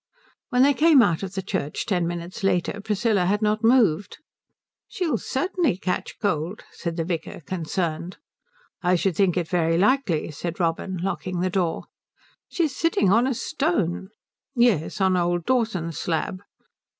When they came out of the church ten minutes later Priscilla had not moved. "She'll certainly catch cold," said the vicar, concerned. "I should think it very likely," said Robin, locking the door. "She's sitting on a stone." "Yes, on old Dawson's slab."